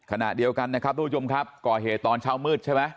ขณะเดียวกันนะครับทุกผู้ชมครับก่อเหตุตอนเช้ามืดใช่ไหม